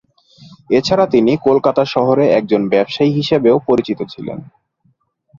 এছাড়া তিনি কলকাতা শহরে একজন ব্যবসায়ী হিসেবেও পরিচিত ছিলেন।